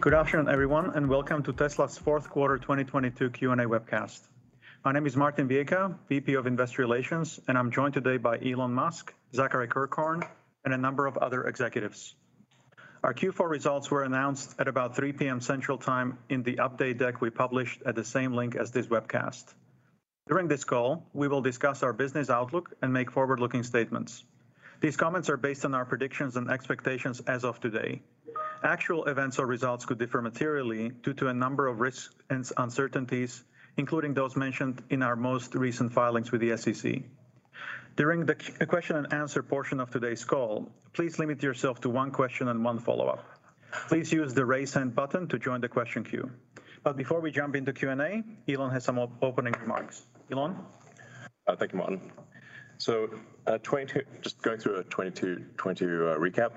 Good afternoon, everyone, welcome to Tesla's fourth quarter 2022 Q&A webcast. My name is Martin Viecha, VP of Investor Relations, I'm joined today by Elon Musk, Zachary Kirkhorn, and a number of other executives. Our Q4 results were announced at about 3:00 P.M. Central Time in the update deck we published at the same link as this webcast. During this call, we will discuss our business outlook and make forward-looking statements. These comments are based on our predictions and expectations as of today. Actual events or results could differ materially due to a number of risks and uncertainties, including those mentioned in our most recent filings with the SEC. During the question and answer portion of today's call, please limit yourself to one question and one follow-up. Please use the Raise Hand button to join the question queue. Before we jump into Q&A, Elon has some opening remarks. Elon? Thank you, Martin. Just going through a 2022 recap.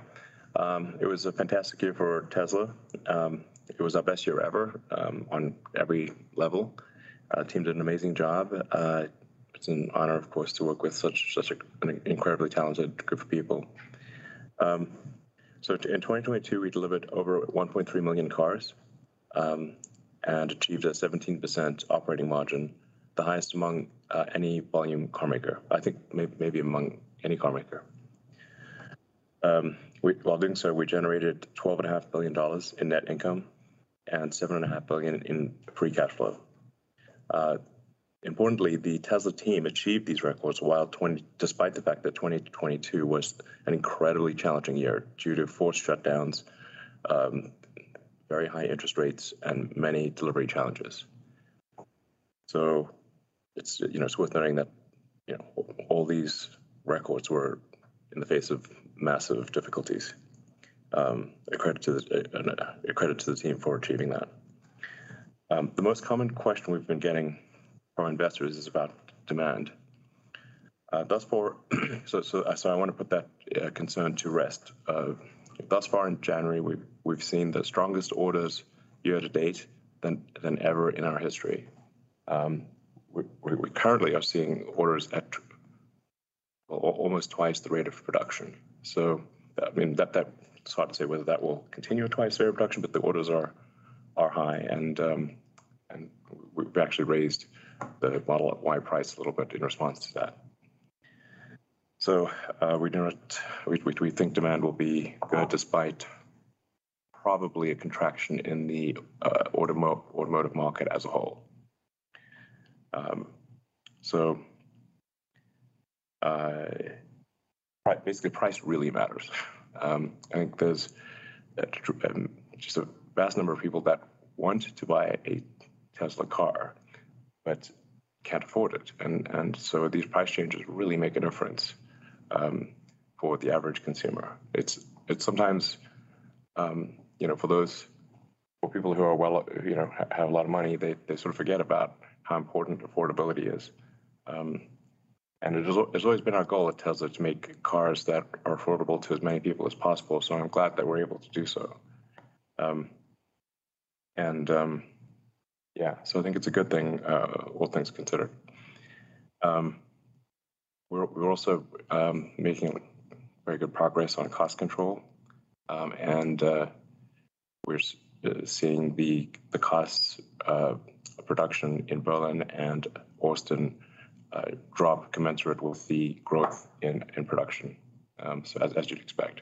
It was a fantastic year for Tesla. It was our best year ever on every level. Our team did an amazing job. It's an honor, of course, to work with such an incredibly talented group of people. In 2022 we delivered over 1.3 million cars and achieved a 17% operating margin, the highest among any volume carmaker. I think maybe among any carmaker. While doing so, we generated $12.5 billion in net income and $7.5 billion in free cash flow. Importantly, the Tesla team achieved these records while despite the fact that 2022 was an incredibly challenging year due to forced shutdowns, very high interest rates, and many delivery challenges. It's, you know, it's worth noting that, you know, all these records were in the face of massive difficulties. A credit to the team for achieving that. The most common question we've been getting from investors is about demand. Thus far I wanna put that concern to rest. Thus far in January, we've seen the strongest orders year to date than ever in our history. We currently are seeing orders at almost twice the rate of production. I mean, it's hard to say whether that will continue at twice the rate of production, but the orders are high, and we've actually raised the Model Y price a little bit in response to that. We think demand will be good despite probably a contraction in the automotive market as a whole. Basically price really matters. I think there's just a vast number of people that want to buy a Tesla car but can't afford it, these price changes really make a difference for the average consumer. It's sometimes, you know, for people who are well, you know, have a lot of money, they sort of forget about how important affordability is. It's always been our goal at Tesla to make cars that are affordable to as many people as possible, so I'm glad that we're able to do so. Yeah, I think it's a good thing, all things considered. We're also making very good progress on cost control, and we're seeing the costs of production in Berlin and Austin drop commensurate with the growth in production as you'd expect.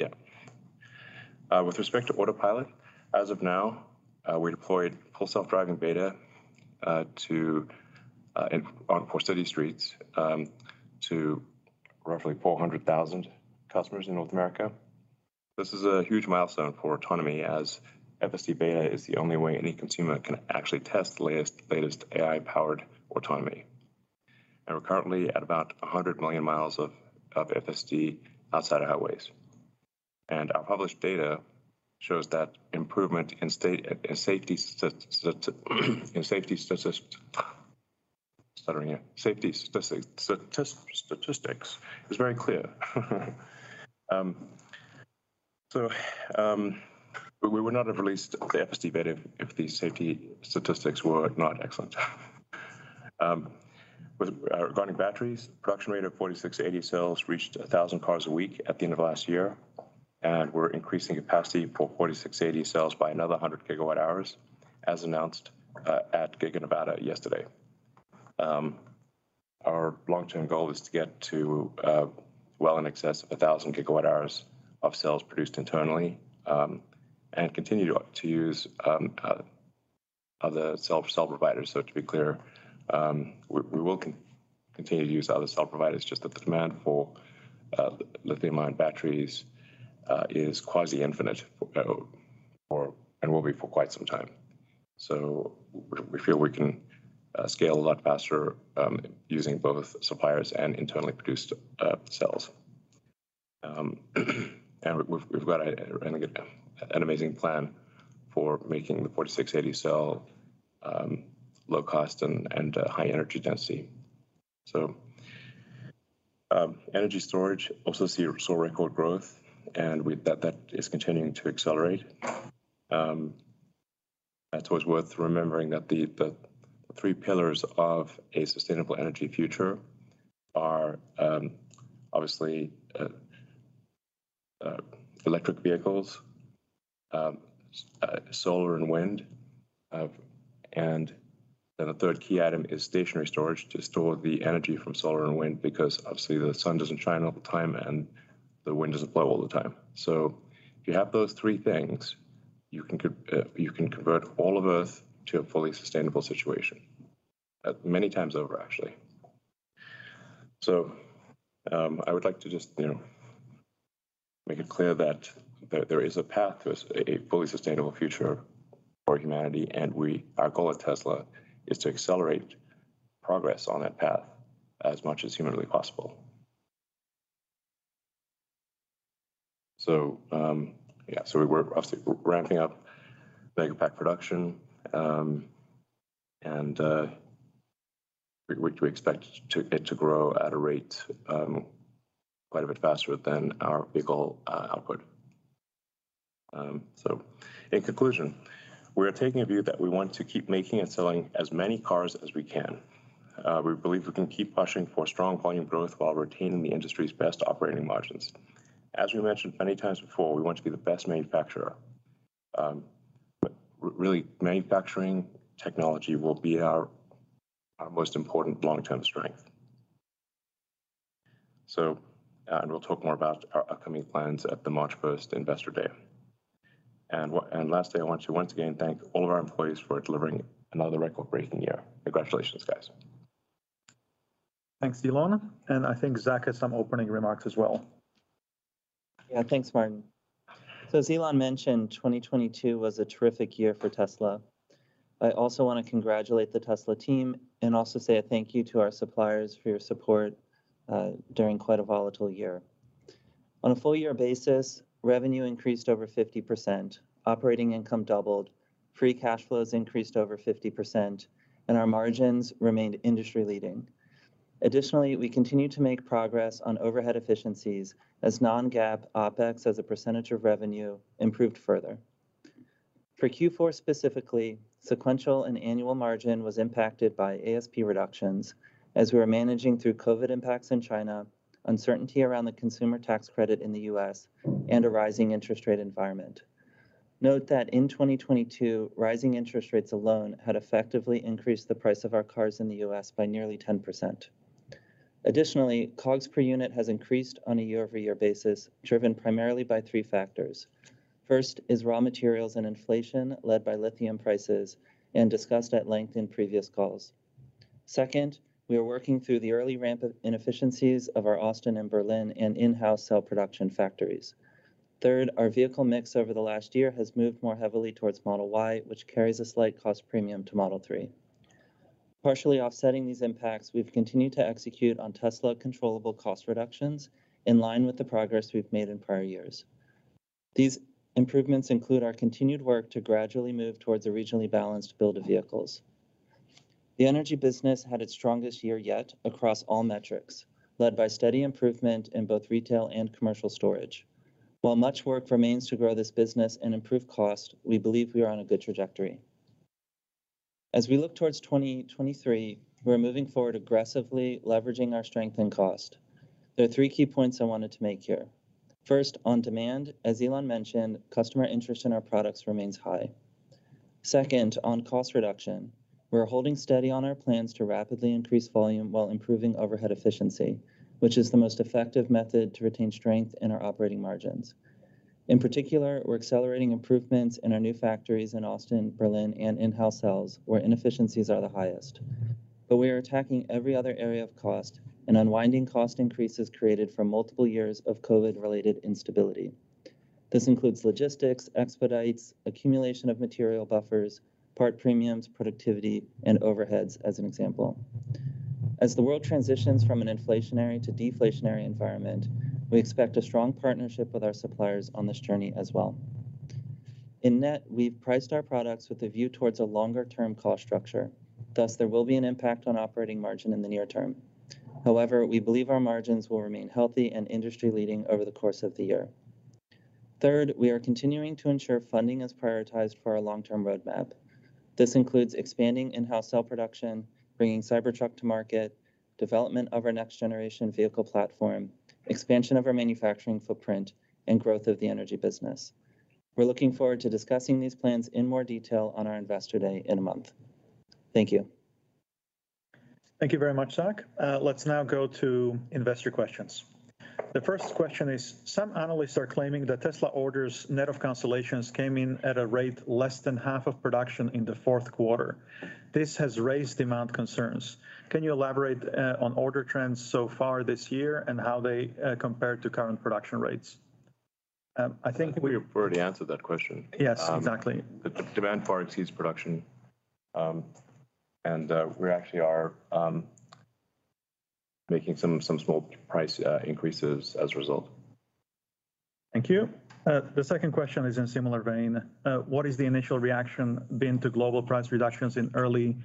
Yeah. With respect to Autopilot, as of now, we deployed Full Self-Driving Beta for city streets to roughly 400,000 customers in North America. This is a huge milestone for autonomy as FSD Beta is the only way any consumer can actually test the latest AI-powered autonomy. We're currently at about 100 million miles of FSD outside of highways. Our published data shows that improvement in safety statistics is very clear. We would not have released the FSD Beta if the safety statistics were not excellent. Regarding batteries, production rate of 4680 cells reached 1,000 cars a week at the end of last year, and we're increasing capacity for 4680 cells by another 100 GWh as announced at Giga Nevada yesterday. Our long-term goal is to get to well in excess of 1,000 GWh of cells produced internally, and continue to use other cell providers. To be clear, we will continue to use other cell providers, just that the demand for lithium-ion batteries is quasi-infinite for and will be for quite some time. We feel we can scale a lot faster using both suppliers and internally produced cells. We've got an amazing plan for making the 4680 cell low cost and high energy density. Energy storage also saw record growth, and that is continuing to accelerate. It's always worth remembering that the three pillars of a sustainable energy future are, obviously, electric vehicles, solar and wind, and then the third key item is stationary storage to store the energy from solar and wind, because obviously the sun doesn't shine all the time and the wind doesn't blow all the time. If you have those three things, you can convert all of Earth to a fully sustainable situation. Many times over, actually. I would like to just, you know, make it clear that there is a path to a fully sustainable future for humanity, and our goal at Tesla is to accelerate progress on that path as much as humanly possible. Yeah. We're obviously ramping up Megapack production, and we expect it to grow at a rate quite a bit faster than our vehicle output. In conclusion, we are taking a view that we want to keep making and selling as many cars as we can. We believe we can keep pushing for strong volume growth while retaining the industry's best operating margins. As we mentioned many times before, we want to be the best manufacturer. Really manufacturing technology will be our most important long-term strength. We'll talk more about our upcoming plans at the March 1st Investor Day. Lastly, I want to once again thank all of our employees for delivering another record-breaking year. Congratulations, guys. Thanks, Elon. I think Zach has some opening remarks as well. Thanks, Martin. As Elon mentioned, 2022 was a terrific year for Tesla. I also wanna congratulate the Tesla team and also say a thank you to our suppliers for your support during quite a volatile year. On a full year basis, revenue increased over 50%, operating income doubled, free cash flows increased over 50%, and our margins remained industry-leading. Additionally, we continue to make progress on overhead efficiencies as non-GAAP OpEx as a percentage of revenue improved further. For Q4 specifically, sequential and annual margin was impacted by ASP reductions as we were managing through COVID impacts in China, uncertainty around the consumer tax credit in the U.S., and a rising interest rate environment. Note that in 2022, rising interest rates alone had effectively increased the price of our cars in the U.S. by nearly 10%. Additionally, COGS per unit has increased on a year-over-year basis, driven primarily by three factors. First is raw materials and inflation, led by lithium prices and discussed at length in previous calls. Second, we are working through the early ramp inefficiencies of our Austin and Berlin and in-house cell production factories. Third, our vehicle mix over the last year has moved more heavily towards Model Y, which carries a slight cost premium to Model 3. Partially offsetting these impacts, we've continued to execute on Tesla-controllable cost reductions in line with the progress we've made in prior years. These improvements include our continued work to gradually move towards a regionally balanced build of vehicles. The energy business had its strongest year yet across all metrics, led by steady improvement in both retail and commercial storage. While much work remains to grow this business and improve cost, we believe we are on a good trajectory. As we look towards 2023, we're moving forward aggressively leveraging our strength and cost. There are three key points I wanted to make here. First, on demand, as Elon mentioned, customer interest in our products remains high. Second, on cost reduction, we're holding steady on our plans to rapidly increase volume while improving overhead efficiency, which is the most effective method to retain strength in our operating margins. In particular, we're accelerating improvements in our new factories in Austin, Berlin, and in-house cells, where inefficiencies are the highest. We are attacking every other area of cost and unwinding cost increases created from multiple years of COVID-related instability. This includes logistics, expedites, accumulation of material buffers, part premiums, productivity, and overheads as an example. As the world transitions from an inflationary to deflationary environment, we expect a strong partnership with our suppliers on this journey as well. In net, we've priced our products with a view towards a longer-term cost structure, thus there will be an impact on operating margin in the near term. However, we believe our margins will remain healthy and industry-leading over the course of the year. Third, we are continuing to ensure funding is prioritized for our long-term roadmap. This includes expanding in-house cell production, bringing Cybertruck to market, development of our next-generation vehicle platform, expansion of our manufacturing footprint, and growth of the energy business. We're looking forward to discussing these plans in more detail on our investor day in a month. Thank you. Thank you very much, Zach. Let's now go to investor questions. The first question is, some analysts are claiming that Tesla orders net of cancellations came in at a rate less than half of production in the fourth quarter. This has raised demand concerns. Can you elaborate on order trends so far this year and how they compare to current production rates? We already answered that question. Yes, exactly. The demand far exceeds production, and we actually are making some small price increases as a result. Thank you. The second question is in similar vein. What has the initial reaction been to global price reductions in early,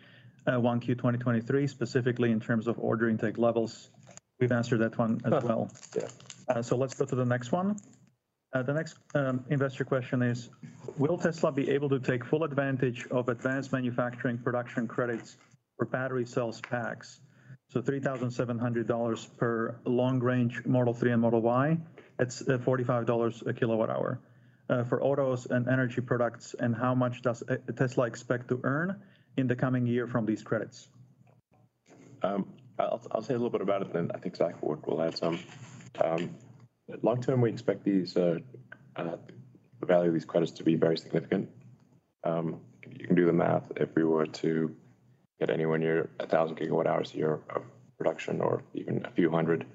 1Q 2023, specifically in terms of order intake levels? We've answered that one as well. Well, yeah. Let's go to the next one. The next investor question is: Will Tesla be able to take full advantage of advanced manufacturing production credits for battery cells packs? $3,700 per long-range Model 3 and Model Y. That's $45 a kilowatt hour for autos and energy products, and how much does Tesla expect to earn in the coming year from these credits? I'll say a little bit about it then. I think Zach will add some. Long term, we expect these the value of these credits to be very significant. You can do the math. If we were to get anywhere near 1,000 kWh a year of production or even a few hundred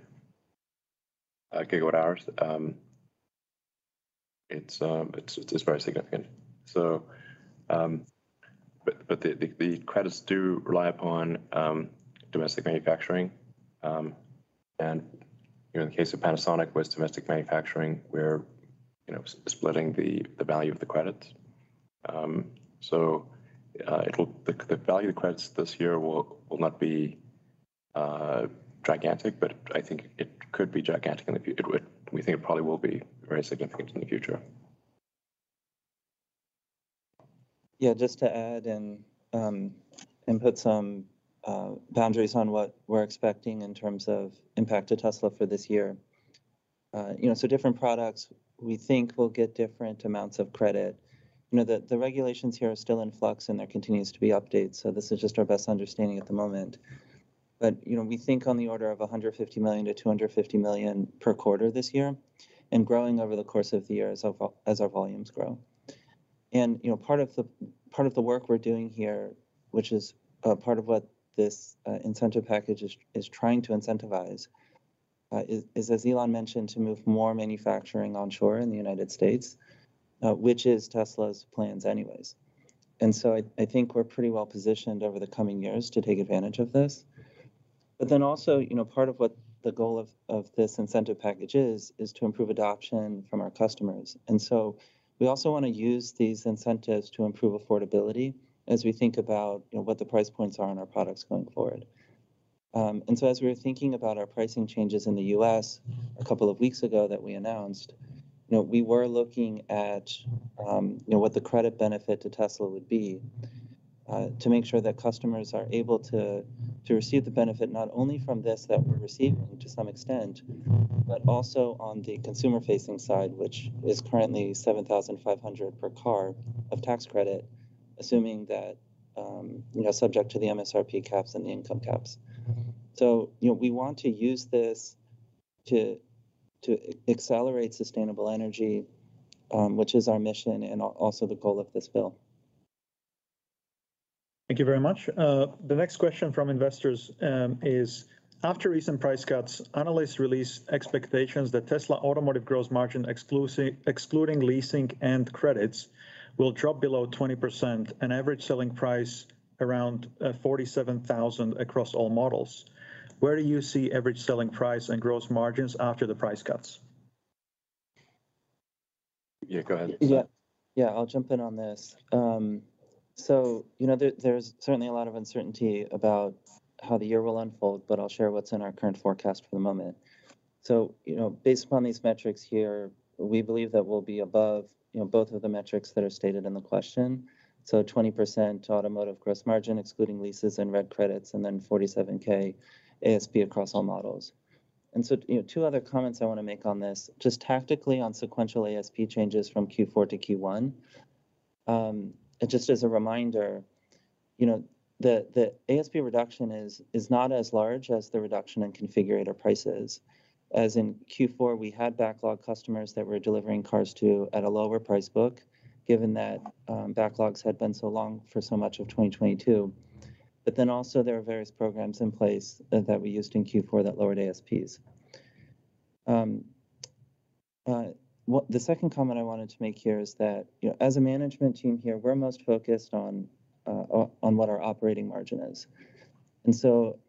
kilowatt-hours, it's very significant. But the credits do rely upon domestic manufacturing. And you know, in the case of Panasonic with domestic manufacturing, we're, you know, splitting the value of the credits. The value of the credits this year will not be gigantic, but I think it could be gigantic in the future. We think it probably will be very significant in the future. Just to add and put some boundaries on what we're expecting in terms of impact to Tesla for this year. You know, different products we think will get different amounts of credit. You know, the regulations here are still in flux, and there continues to be updates, so this is just our best understanding at the moment. You know, we think on the order of $150 million-$250 million per quarter this year, and growing over the course of the year as our volumes grow. You know, part of the work we're doing here, which is part of what this incentive package is trying to incentivize, as Elon mentioned, to move more manufacturing onshore in the United States, which is Tesla's plans anyways. I think we're pretty well positioned over the coming years to take advantage of this. Also, you know, part of what the goal of this incentive package is to improve adoption from our customers. We also wanna use these incentives to improve affordability as we think about, you know, what the price points are on our products going forward. As we were thinking about our pricing changes in the U.S. a couple of weeks ago that we announced, you know, we were looking at, you know, what the credit benefit to Tesla would be to make sure that customers are able to receive the benefit not only from this that we're receiving to some extent, but also on the consumer-facing side, which is currently $7,500 per car of tax credit, assuming that, you know, subject to the MSRP caps and the income caps. You know, we want to use this to accelerate sustainable energy, which is our mission and also the goal of this bill. Thank you very much. The next question from investors is: After recent price cuts, analysts released expectations that Tesla automotive gross margin excluding leasing and credits will drop below 20%, an average selling price around $47,000 across all models. Where do you see average selling price and gross margins after the price cuts? Yeah, go ahead. Yeah, I'll jump in on this. You know, there's certainly a lot of uncertainty about how the year will unfold, but I'll share what's in our current forecast for the moment. You know, based upon these metrics here, we believe that we'll be above, you know, both of the metrics that are stated in the question. 20% automotive gross margin excluding leases and regulatory credits, and then $47,000 ASP across all models. You know, two other comments I wanna make on this, just tactically on sequential ASP changes from Q4 to Q1. Just as a reminder, you know, the ASP reduction is not as large as the reduction in configurator prices. As in Q4, we had backlog customers that we're delivering cars to at a lower price book given that, backlogs had been so long for so much of 2022. Also, there are various programs in place that we used in Q4 that lowered ASPs. The second comment I wanted to make here is that, you know, as a management team here, we're most focused on what our operating margin is. You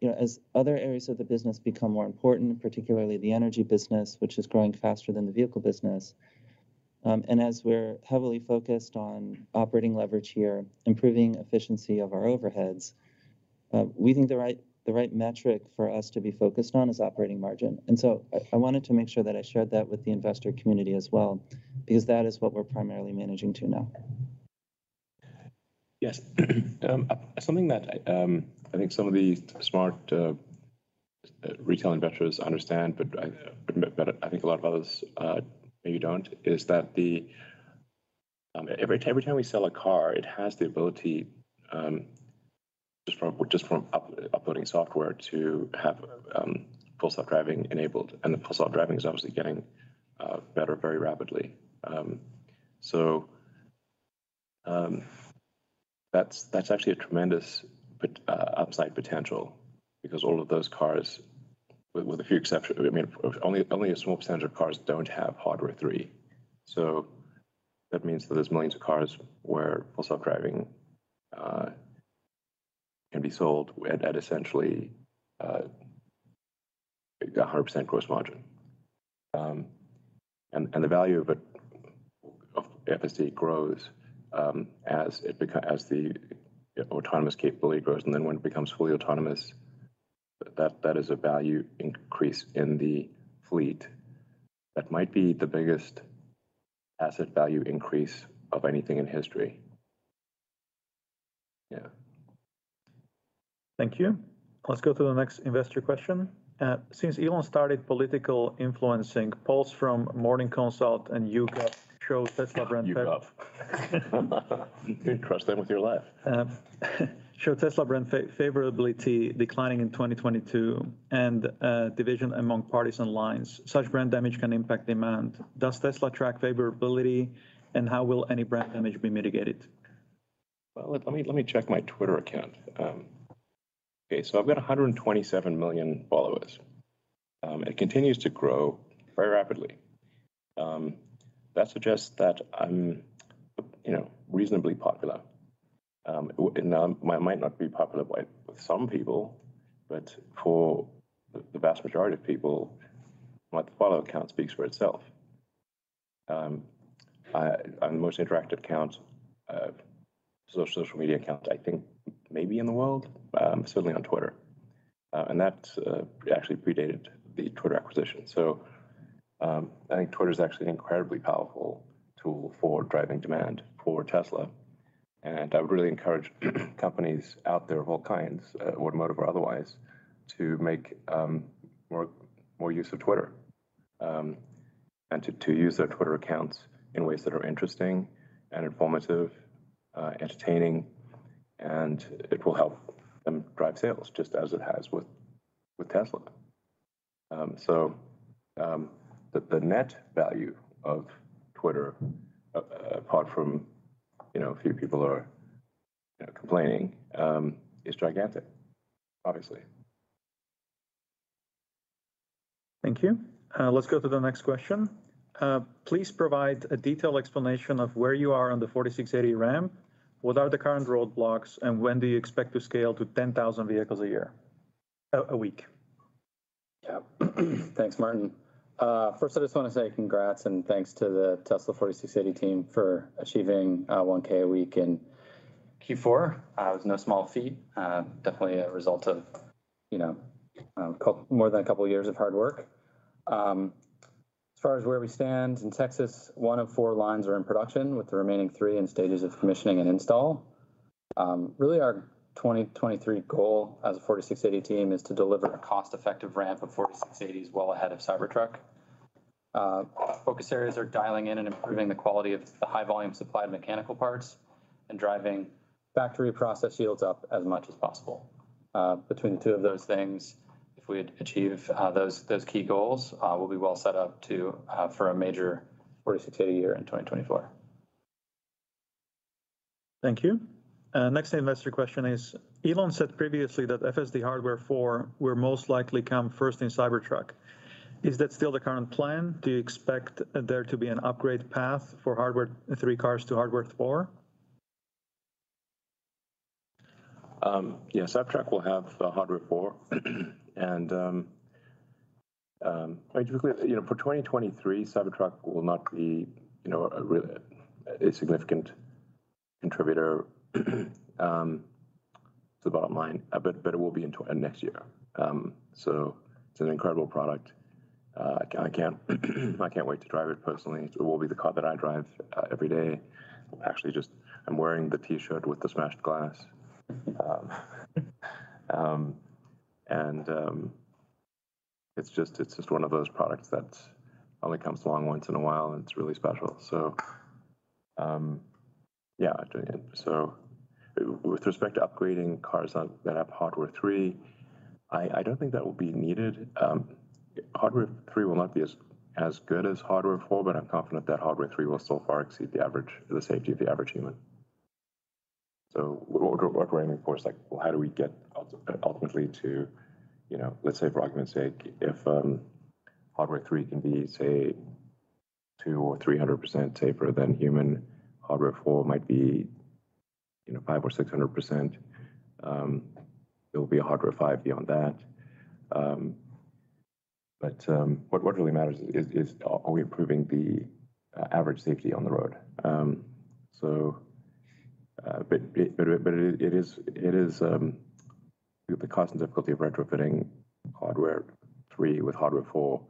know, as other areas of the business become more important, particularly the energy business, which is growing faster than the vehicle business, and as we're heavily focused on operating leverage here, improving efficiency of our overheads, we think the right metric for us to be focused on is operating margin. I wanted to make sure that I shared that with the investor community as well, because that is what we're primarily managing to now. Something that I think some of the smart retail investors understand, but I think a lot of others maybe don't, is that every time we sell a car, it has the ability just from uploading software to have Full Self-Driving enabled, and the Full Self-Driving is obviously getting better very rapidly. That's actually a tremendous upside potential because all of those cars with a few exceptions, I mean, only a small percentage of cars don't have Hardware 3. That means that there's millions of cars where Full Self-Driving can be sold at essentially a 100% gross margin. The value of FSD grows, as the autonomous capability grows, and then when it becomes fully autonomous, that is a value increase in the fleet. That might be the biggest asset value increase of anything in history. Yeah. Thank you. Let's go to the next investor question. Since Elon started political influencing, polls from Morning Consult and YouGov show Tesla brand. YouGov. Crush them with your life. Show Tesla brand favorability declining in 2022, and division among partisan lines. Such brand damage can impact demand. Does Tesla track favorability, and how will any brand image be mitigated? Let me check my Twitter account. I've got 127 million followers. It continues to grow very rapidly. That suggests that I'm, you know, reasonably popular. And I might not be popular with some people, but for the vast majority of people, my follow count speaks for itself. I'm the most interactive count, social media account, I think maybe in the world. Certainly on Twitter. That actually predated the Twitter acquisition. I think Twitter's actually an incredibly powerful tool for driving demand for Tesla, and I would really encourage companies out there of all kinds, automotive or otherwise, to make more use of Twitter. To use their Twitter accounts in ways that are interesting and informative, entertaining, and it will help them drive sales just as it has with Tesla. The net value of Twitter, apart from, you know, a few people are, you know, complaining, is gigantic, obviously. Thank you. Let's go to the next question. Please provide a detailed explanation of where you are on the 4680 ramp. What are the current roadblocks, and when do you expect to scale to 10,000 vehicles a week? Thanks, Martin. First, I just wanna say congrats and thanks to the Tesla 4680 team for achieving 1000 a week in Q4. It was no small feat. Definitely a result of, you know, more than a couple years of hard work. As far as where we stand in Texas, one of four lines are in production, with the remaining three in stages of commissioning and install. Really our 2023 goal as a 4680 team is to deliver a cost-effective ramp of 4680s well ahead of Cybertruck. Focus areas are dialing in and improving the quality of the high-volume supply of mechanical parts and driving factory process yields up as much as possible. Between the two of those things, if we achieve those key goals, we'll be well set up to for a major 4680 year in 2024. Thank you. Next investor question is, Elon said previously that FSD Hardware 4 will most likely come first in Cybertruck. Is that still the current plan? Do you expect there to be an upgrade path for Hardware 3 cars to Hardware 4? Yeah, Cybertruck will have Hardware 4. You know, for 2023, Cybertruck will not be, you know, a significant contributor to the bottom line, but it will be next year. It's an incredible product. I can't wait to drive it personally. It will be the car that I drive every day. Actually, just, I'm wearing the T-shirt with the smashed glass. It's just one of those products that only comes along once in a while, and it's really special. Yeah. With respect to upgrading cars that have Hardware 3, I don't think that will be needed. Hardware 3 will not be as good as Hardware 4, but I'm confident that Hardware 3 will still far exceed the safety of the average human. We're upgrading, of course, like how do we get ultimately to, you know, let's say for argument's sake, if Hardware 3 can be, say, 200% or 300% safer than human, Hardware 4 might be, you know, 500% or 600%. There will be a Hardware 5 beyond that. But what really matters is, are we improving the average safety on the road? But it is the cost and difficulty of retrofitting Hardware 3 with Hardware 4,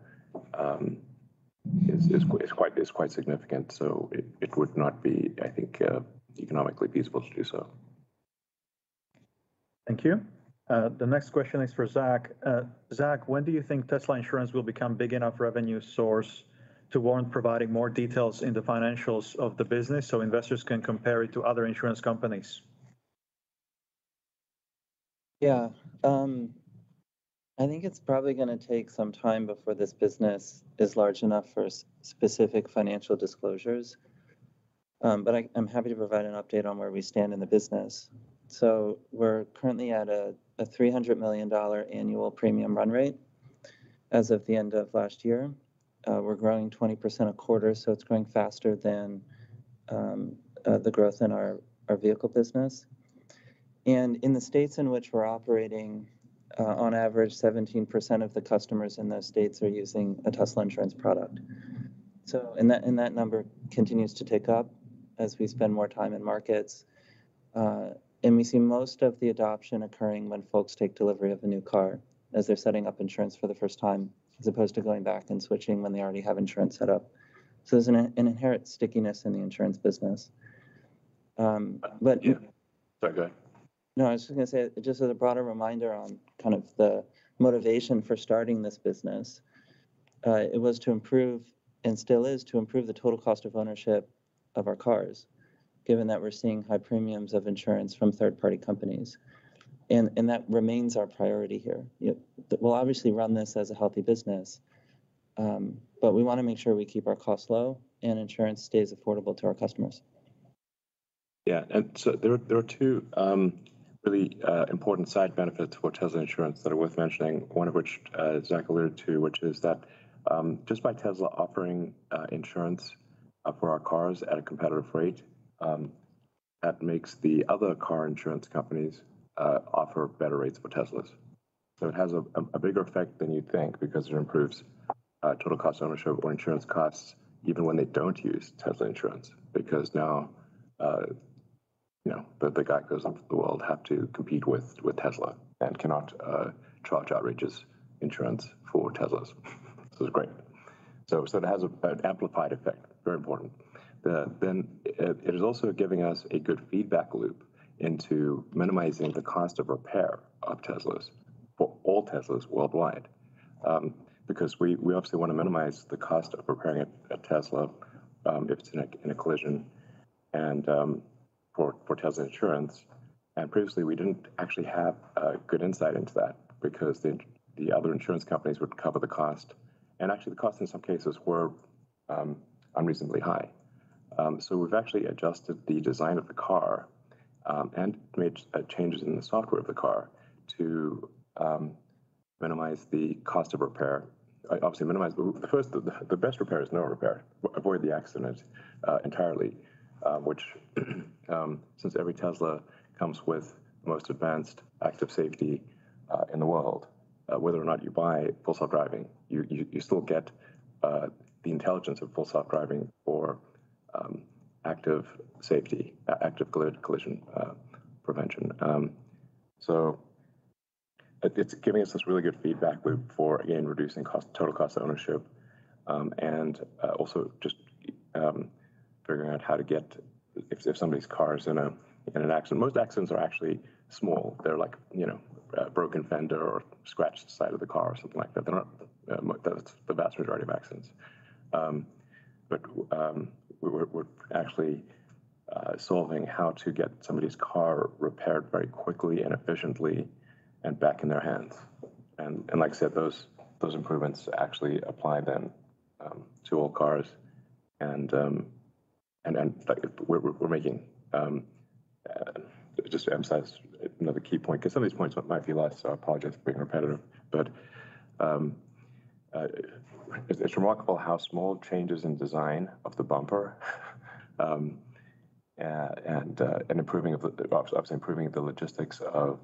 is quite significant, so it would not be, I think, economically feasible to do so. Thank you. The next question is for Zach. Zach, when do you think Tesla insurance will become big enough revenue source to warrant providing more details in the financials of the business so investors can compare it to other insurance companies? Yeah. I think it's probably gonna take some time before this business is large enough for specific financial disclosures. But I'm happy to provide an update on where we stand in the business. We're currently at a $300 million annual premium run rate as of the end of last year. We're growing 20% a quarter, so it's growing faster than the growth in our vehicle business. In the states in which we're operating, on average, 17% of the customers in those states are using a Tesla insurance product. That number continues to tick up as we spend more time in markets. We see most of the adoption occurring when folks take delivery of a new car as they're setting up insurance for the first time, as opposed to going back and switching when they already have insurance set up. There's an inherent stickiness in the insurance business. Yeah. Sorry, go ahead. No, I was just gonna say just as a broader reminder on kind of the motivation for starting this business, it was to improve and still is to improve the total cost of ownership of our cars, given that we're seeing high premiums of insurance from third-party companies. That remains our priority here. Yeah. We'll obviously run this as a healthy business, but we wanna make sure we keep our costs low and insurance stays affordable to our customers. Yeah. There are two really important side benefits for Tesla insurance that are worth mentioning. One of which Zach alluded to, which is that just by Tesla offering insurance for our cars at a competitive rate, that makes the other car insurance companies offer better rates for Teslas. It has a bigger effect than you'd think because it improves total cost of ownership or insurance costs even when they don't use Tesla insurance because now, you know, the guy goes out to the world have to compete with Tesla and cannot charge outrageous insurance for Teslas. This is great. It has an amplified effect. Very important. Then it is also giving us a good feedback loop into minimizing the cost of repair of Teslas for all Teslas worldwide, because we obviously wanna minimize the cost of repairing a Tesla, if it's in a collision and for Tesla insurance. Previously, we didn't actually have good insight into that because the other insurance companies would cover the cost, and actually the cost in some cases were unreasonably high. So we've actually adjusted the design of the car and made changes in the software of the car to minimize the cost of repair. Obviously minimize the... First, the best repair is no repair. Avoid the accident entirely. Which, since every Tesla comes with the most advanced active safety in the world, whether or not you buy Full Self-Driving, you still get the intelligence of Full Self-Driving for active safety, active collision prevention. It's giving us this really good feedback loop for, again, reducing cost, total cost of ownership, and also just figuring out how to get if somebody's car is in an accident. Most accidents are actually small. They're like, you know, a broken fender or scratched the side of the car or something like that. They're not the vast majority of accidents. We're actually solving how to get somebody's car repaired very quickly and efficiently and back in their hands. Like I said, those improvements actually apply then to all cars and like we're making, just to emphasize another key point 'cause some of these points might feel like, so I apologize for being repetitive. It's remarkable how small changes in design of the bumper, and improving of the obviously improving the logistics of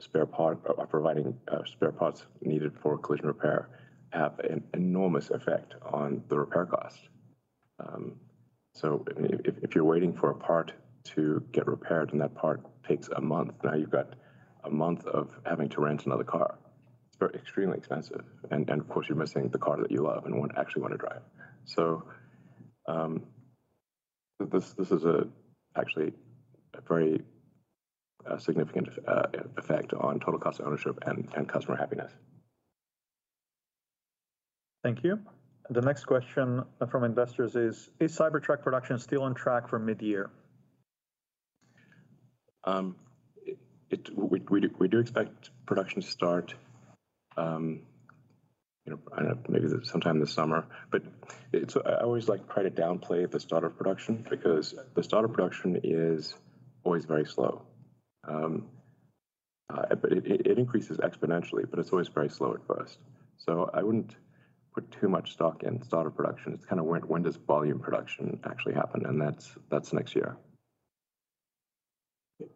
spare part, by providing spare parts needed for collision repair have an enormous effect on the repair cost. If you're waiting for a part to get repaired and that part takes a month, now you've got a month of having to rent another car. It's very extremely expensive, and of course, you're missing the car that you love and want, actually wanna drive. This is actually a very significant effect on total cost of ownership and customer happiness. Thank you. The next question from investors is, "Is Cybertruck production still on track for mid-year? We do expect production to start, you know, I don't know, maybe sometime this summer. It's, I always like try to downplay the start of production because the start of production is always very slow. It increases exponentially, but it's always very slow at first. I wouldn't put too much stock in start of production. It's kinda when does volume production actually happen, and that's next year.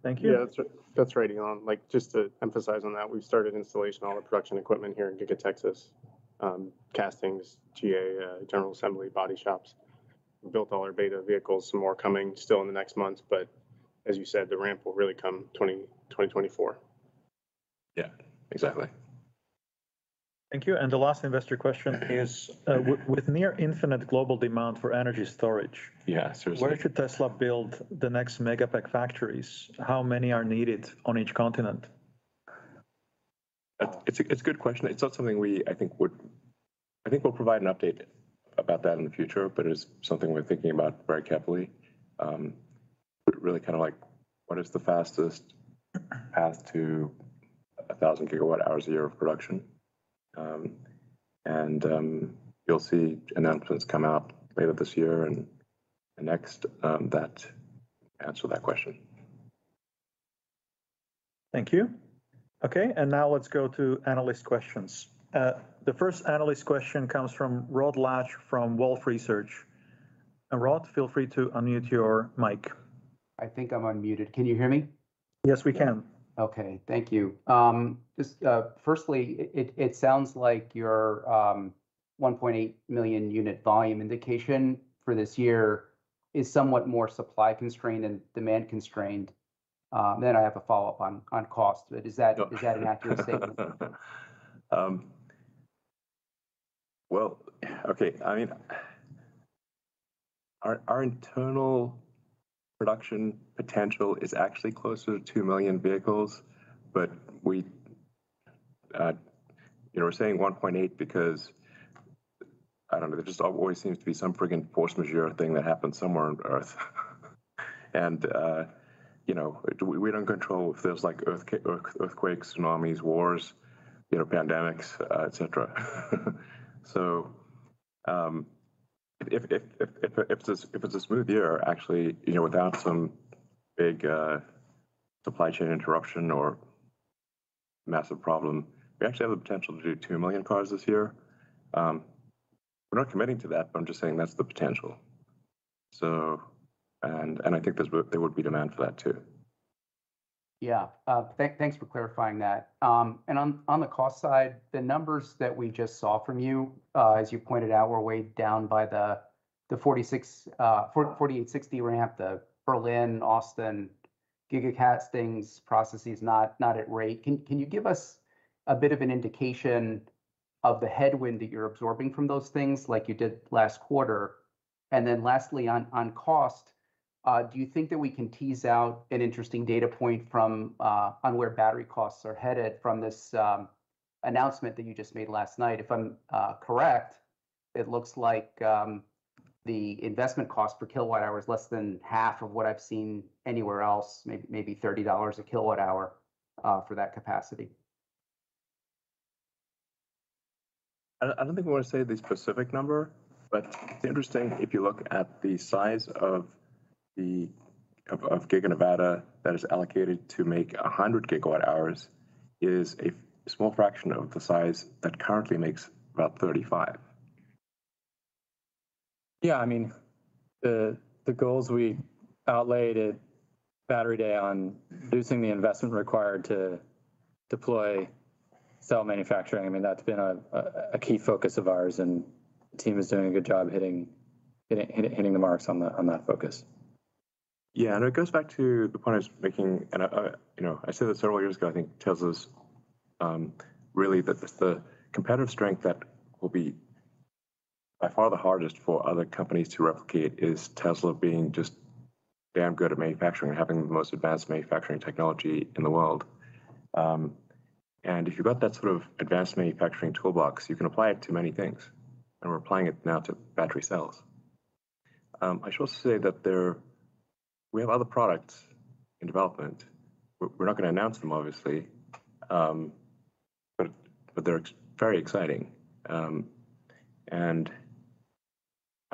Thank you. Yeah. That's right. That's right, Elon. Like, just to emphasize on that, we've started installation, all the production equipment here in Giga Texas, castings, GA, general assembly, body shops. We built all our beta vehicles, some more coming still in the next months, but as you said, the ramp will really come 2024. Yeah. Exactly. Thank you. The last investor question is, "With near infinite global demand for energy storage Yeah, seriously. where should Tesla build the next Megapack factories? How many are needed on each continent? It's a good question. It's not something we, I think would. I think we'll provide an update about that in the future, but it's something we're thinking about very carefully. We're really kinda like, what is the fastest path to 1,000 GWh a year of production? You'll see announcements come out later this year and next that answer that question. Thank you. Okay, now let's go to analyst questions. The first analyst question comes from Rod Lache from Wolfe Research. Rod, feel free to unmute your mic. I think I'm unmuted. Can you hear me? Yes, we can. Okay. Thank you. Just, firstly, it sounds like your 1.8 million unit volume indication for this year is somewhat more supply-constrained than demand-constrained. Then I have a follow-up on cost. Is that an accurate statement? Well, okay. I mean, our internal production potential is actually closer to 2 million vehicles, but we, you know, we're saying 1.8 because, I don't know, there just always seems to be some freaking force majeure thing that happens somewhere on Earth. You know, we don't control if there's like earthquakes, tsunamis, wars, you know, pandemics, et cetera. If it's a smooth year actually, you know, without some big, supply chain interruption or massive problem, we actually have the potential to do 2 million cars this year. We're not committing to that, but I'm just saying that's the potential. I think there would be demand for that too. Yeah. Thanks for clarifying that. On the cost side, the numbers that we just saw from you, as you pointed out, were way down by the 46... 40 and 60 ramp, the Berlin, Austin, Giga Press things, processes not at rate. Can you give us a bit of an indication of the headwind that you're absorbing from those things, like you did last quarter? Lastly on cost, do you think that we can tease out an interesting data point from on where battery costs are headed from this announcement that you just made last night? If I'm correct, it looks like the investment cost per kilowatt-hour is less than half of what I've seen anywhere else, maybe $30 a kWh for that capacity. I don't think we wanna say the specific number, but it's interesting if you look at the size of the of Giga Nevada that is allocated to make 100 GWh is a small fraction of the size that currently makes about 35. Yeah. I mean, the goals we outlaid at Battery Day on reducing the investment required to deploy cell manufacturing, I mean, that's been a key focus of ours, and the team is doing a good job hitting the marks on that focus. Yeah. It goes back to the point I was making and I, you know, I said this several years ago, I think Tesla's really the competitive strength that will be by far the hardest for other companies to replicate is Tesla being just damn good at manufacturing and having the most advanced manufacturing technology in the world. If you've got that sort of advanced manufacturing toolbox, you can apply it to many things, and we're applying it now to battery cells. I should also say that we have other products in development. We're not gonna announce them obviously, but they're very exciting.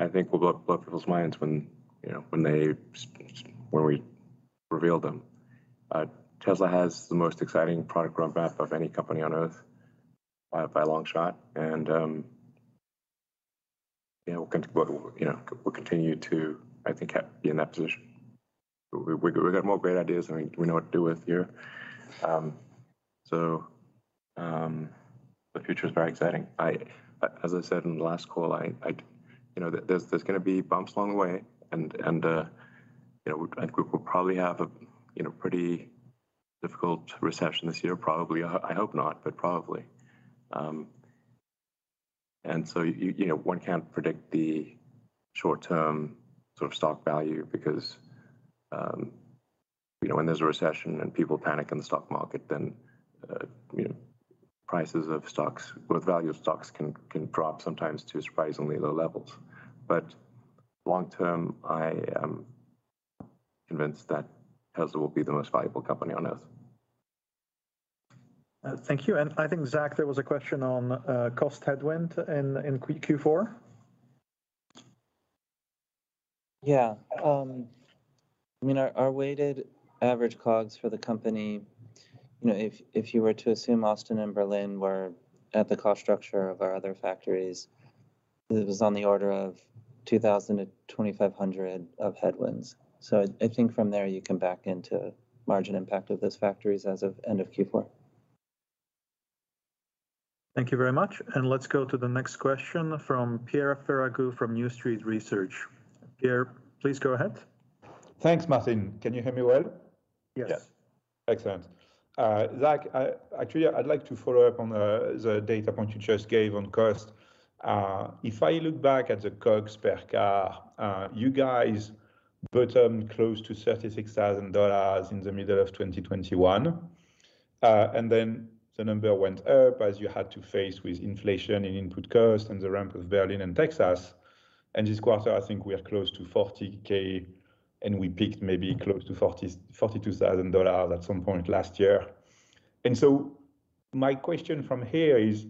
I think will blow people's minds when, you know, when they when we reveal them. Tesla has the most exciting product roadmap of any company on Earth, by a long shot, and, you know, we'll continue to, I think, be in that position. We got more great ideas than we know what to do with here. The future's very exciting. As I said in the last call, I... you know, there's gonna be bumps along the way and, you know, we, I think we'll probably have a, you know, pretty difficult recession this year probably. I hope not, but probably. You know, one can't predict the short-term sort of stock value because, you know, when there's a recession and people panic in the stock market then, you know, prices of stocks, worth value of stocks can drop sometimes to surprisingly low levels. Long-term, I am convinced that Tesla will be the most valuable company on Earth. Thank you. I think, Zach, there was a question on cost headwind in Q4. Yeah. I mean, our weighted average COGS for the company, you know, if you were to assume Austin and Berlin were at the cost structure of our other factories, it was on the order of $2,000-$2,500 of headwinds. I think from there you come back into margin impact of those factories as of end of Q4. Thank you very much. Let's go to the next question from Pierre Ferragu from New Street Research. Pierre, please go ahead. Thanks, Martin. Can you hear me well? Yes. Yes. Excellent. Zach, I actually I'd like to follow up on the data point you just gave on cost. If I look back at the COGS per car, you guys bottomed close to $36,000 in the middle of 2021. Then the number went up as you had to face with inflation and input cost and the ramp of Berlin and Texas. This quarter, I think we are close to $40,000, and we peaked maybe close to $40,000-$42,000 at some point last year. My question from here is: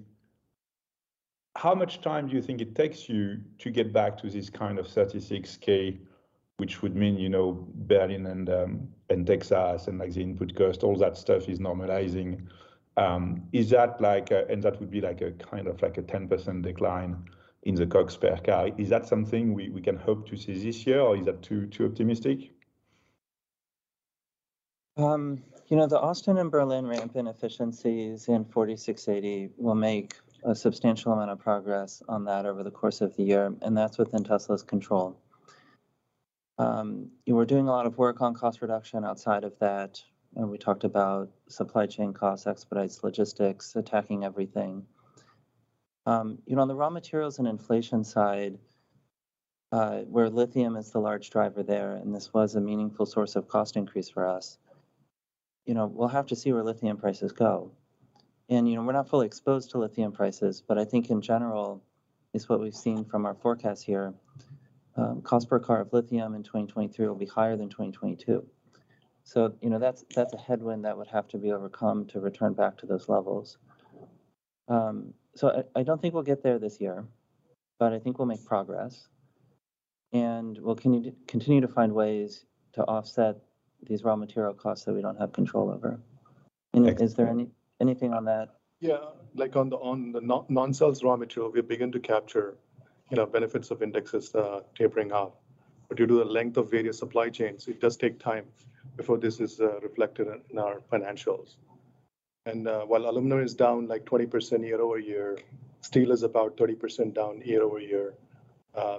How much time do you think it takes you to get back to this kind of $36,000-Which would mean, you know, Berlin and Texas and like the input cost, all that stuff is normalizing. Is that like a... That would be kind of like a 10% decline in the COGS per car. Is that something we can hope to see this year, or is that too optimistic? You know, the Austin and Berlin ramp in efficiencies in 4680 will make a substantial amount of progress on that over the course of the year, and that's within Tesla's control. We're doing a lot of work on cost reduction outside of that. We talked about supply chain costs, expedited logistics, attacking everything. You know, on the raw materials and inflation side, where lithium is the large driver there, and this was a meaningful source of cost increase for us, you know, we'll have to see where lithium prices go. You know, we're not fully exposed to lithium prices, but I think in general is what we've seen from our forecast here, cost per car of lithium in 2023 will be higher than 2022. You know, that's a headwind that would have to be overcome to return back to those levels. I don't think we'll get there this year, but I think we'll make progress, and we'll continue to find ways to offset these raw material costs that we don't have control over. Excellent. Is there anything on that? Yeah. Like on the non-cells raw material, we begin to capture, you know, benefits of indexes tapering off. Due to the length of various supply chains, it does take time before this is reflected in our financials. While aluminum is down like 20% year-over-year, steel is about 30% down year-over-year.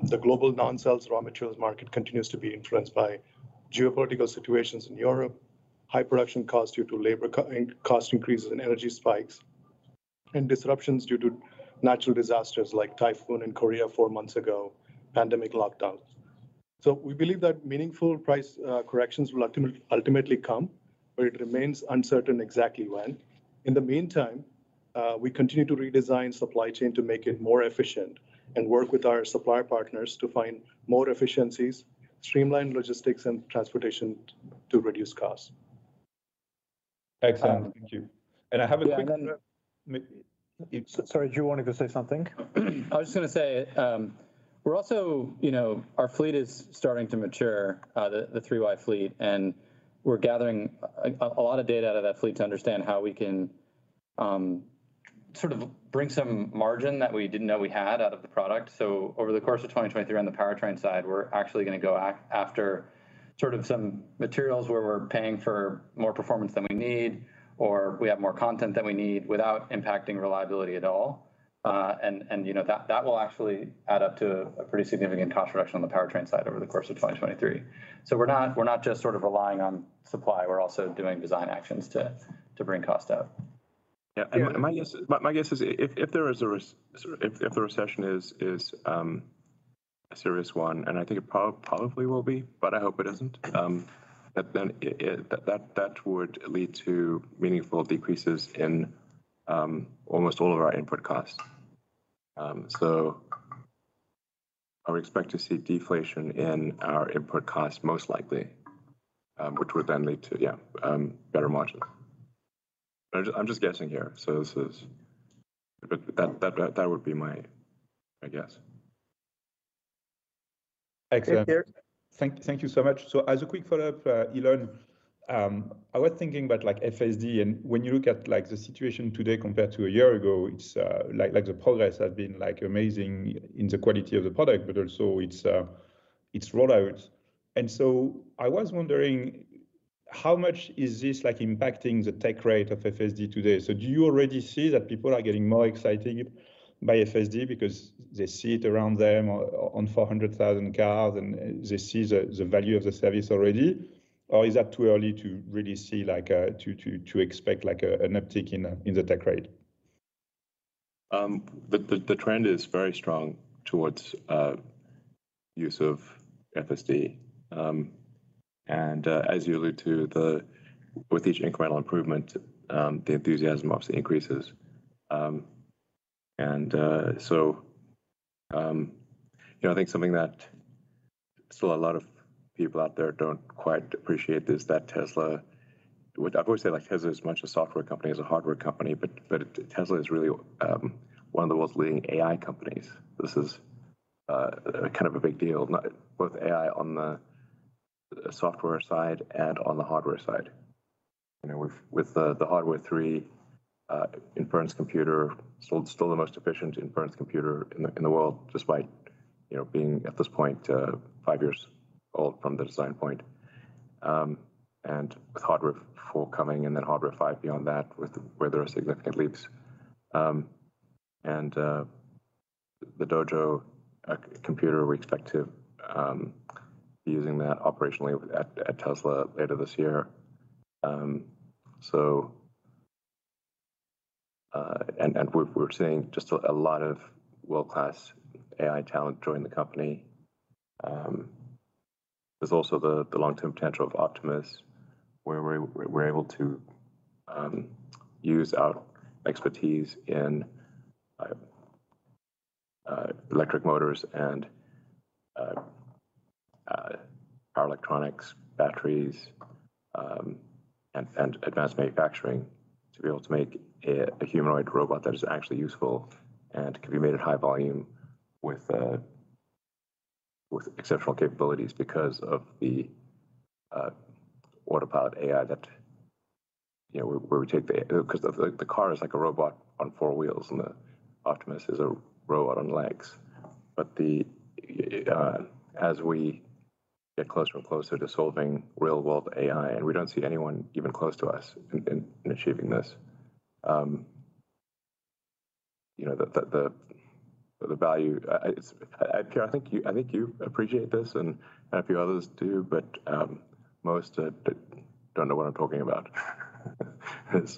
The global non-cells raw materials market continues to be influenced by geopolitical situations in Europe, high production costs due to labor cost increases and energy spikes, and disruptions due to natural disasters like typhoon in Korea 4 months ago, pandemic lockdowns. We believe that meaningful price corrections will ultimately come, but it remains uncertain exactly when. In the meantime, we continue to redesign supply chain to make it more efficient and work with our supply partners to find more efficiencies, streamline logistics and transportation to reduce costs. Excellent. Thank you. Um- I have a. Yeah. Sorry, did you want to say something? I was just gonna say, you know, our fleet is starting to mature, the 3 Y fleet, and we're gathering a lot of data out of that fleet to understand how we can sort of bring some margin that we didn't know we had out of the product. Over the course of 2023 on the powertrain side, we're actually gonna go after sort of some materials where we're paying for more performance than we need, or we have more content than we need without impacting reliability at all. And, you know, that will actually add up to a pretty significant cost reduction on the powertrain side over the course of 2023. We're not, we're not just sort of relying on supply. We're also doing design actions to bring cost out. Yeah. Yeah. My guess is if there is a recession is a serious one, and I think it probably will be, but I hope it isn't, that then that would lead to meaningful decreases in almost all of our input costs. I would expect to see deflation in our input costs most likely, which would then lead to, yeah, better margins. I'm just guessing here, so this is. That would be my guess. Excellent. Thank you so much. As a quick follow-up, Elon, I was thinking about like FSD, and when you look at like the situation today compared to a year ago, it's like the progress has been like amazing in the quality of the product, but also its rollout. I was wondering how much is this like impacting the take rate of FSD today? Do you already see that people are getting more excited by FSD because they see it around them or on 400,000 cars and they see the value of the service already? Or is that too early to really see like to expect like an uptick in the take rate? The trend is very strong towards use of FSD. As you allude to, with each incremental improvement, the enthusiasm obviously increases. You know, I think something that still a lot of people out there don't quite appreciate is that Tesla, which I've always said, like Tesla is as much a software company as a hardware company, but Tesla is really one of the world's leading AI companies. This is kind of a big deal, both AI on the software side and on the hardware side. You know, with the Hardware 3 inference computer, still the most efficient inference computer in the world, despite, you know, being, at this point, five years old from the design point. With Hardware 4 coming and then Hardware 5 beyond that where there are significant leaps. The Dojo computer, we expect to be using that operationally at Tesla later this year. We're seeing just a lot of world-class AI talent join the company. There's also the long-term potential of Optimus, where we're able to use our expertise in electric motors and power electronics, batteries and advanced manufacturing to be able to make a humanoid robot that is actually useful and can be made at high volume with exceptional capabilities because of the Autopilot AI that, you know, where we take the car is like a robot on four wheels, and the Optimus is a robot on legs. As we get closer and closer to solving real-world AI, and we don't see anyone even close to us in achieving this, you know, the value, it's I, Kara, I think you, I think you appreciate this and a few others do, but most don't know what I'm talking about. It's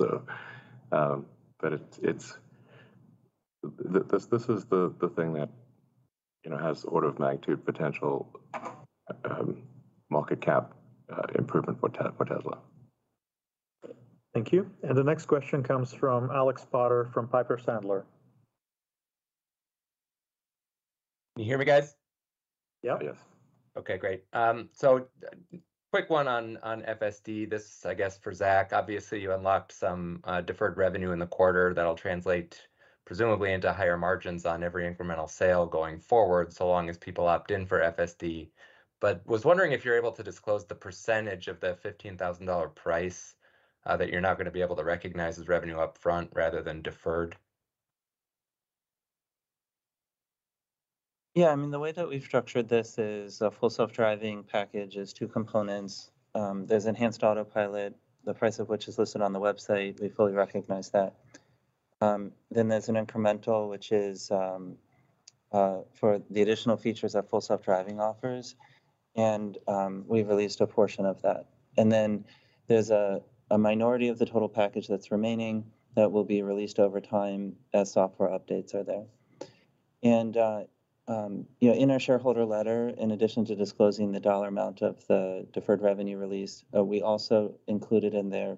this is the thing that, you know, has order of magnitude potential, market cap improvement for Tesla. Thank you. The next question comes from Alex Potter from Piper Sandler. Can you hear me, guys? Yep. Yes. Okay, great. Quick one on FSD. This, I guess, for Zach. Obviously, you unlocked some deferred revenue in the quarter that'll translate presumably into higher margins on every incremental sale going forward, so long as people opt in for FSD. Was wondering if you're able to disclose the percentage of the $15,000 price that you're now gonna be able to recognize as revenue up front rather than deferred? Yeah, I mean, the way that we've structured this is a Full Self-Driving package is two components. There's Enhanced Autopilot, the price of which is listed on the website. We fully recognize that. Then there's an incremental, which is for the additional features that Full Self-Driving offers, and we've released a portion of that. Then there's a minority of the total package that's remaining that will be released over time as software updates are there. You know, in our shareholder letter, in addition to disclosing the dollar amount of the deferred revenue release, we also included in there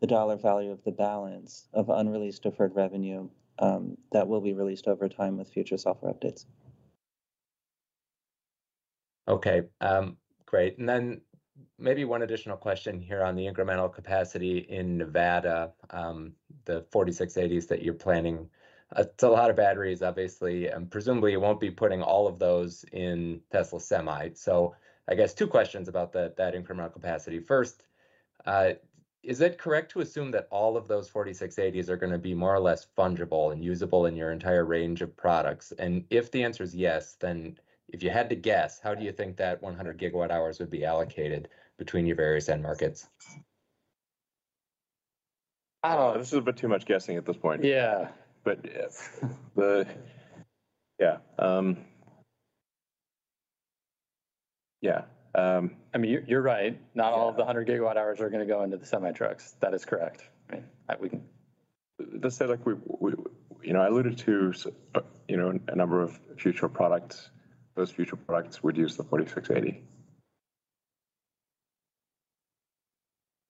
the dollar value of the balance of unreleased deferred revenue that will be released over time with future software updates. Okay. great. Maybe one additional question here on the incremental capacity in Nevada, the 4680s that you're planning. It's a lot of batteries obviously, and presumably you won't be putting all of those in Tesla Semi. I guess two questions about that incremental capacity. First, is it correct to assume that all of those 4680s are gonna be more or less fungible and usable in your entire range of products? If the answer is yes, how do you think that 100 GWh would be allocated between your various end markets? This is a bit too much guessing at this point. Yeah. Yeah. Yeah. I mean, you're right. Yeah. Not all of the 100 GWh are gonna go into the semi-trucks. That is correct. Right. We can- Let's say like we, you know, I alluded to you know, a number of future products. Those future products would use the 4680.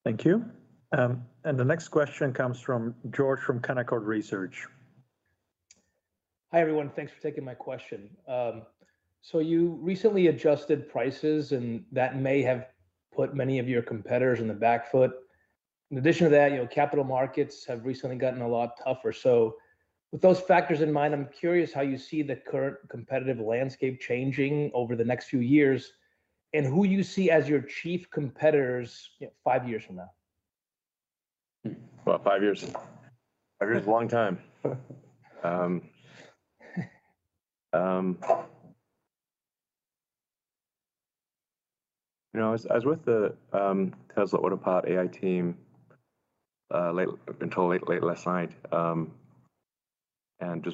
Thank you. The next question comes from George from Canaccord Genuity. Hi, everyone. Thanks for taking my question. You recently adjusted prices, and that may have put many of your competitors in the back foot. In addition to that, you know, capital markets have recently gotten a lot tougher. With those factors in mind, I'm curious how you see the current competitive landscape changing over the next few years and who you see as your chief competitors, you know, 5 years from now. About 5 years. 5 years is a long time. You know, I was with the Tesla Autopilot AI team until late last night, and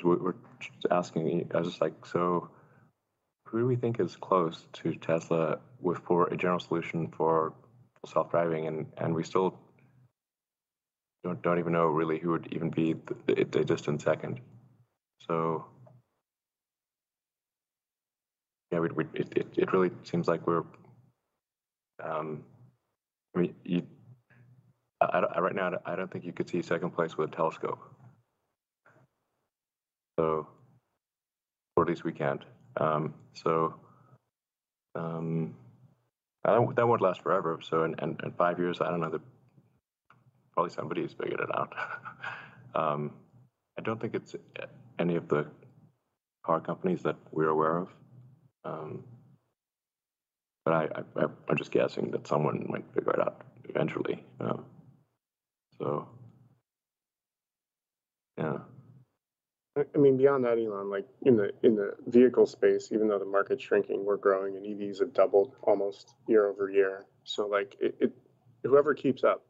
we're just asking, I was just like, "Who do we think is close to Tesla with, for a general solution for self-driving?" We still don't even know really who would even be the distant second. Yeah, it really seems like we're I mean, I right now, I don't think you could see second place with a telescope. At least we can't. That won't last forever. In five years, I don't know. Probably somebody's figured it out. I don't think it's any of the car companies that we're aware of. I'm just guessing that someone might figure it out eventually. Yeah. I mean, beyond that, Elon, like in the, in the vehicle space, even though the market's shrinking, we're growing, and EVs have doubled almost year-over-year. Like, whoever keeps up